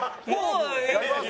やります！